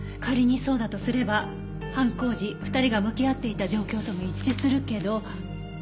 仮にそうだとすれば犯行時２人が向き合っていた状況とも一致するけど。